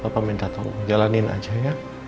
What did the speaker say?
bapak minta tolong jalanin aja ya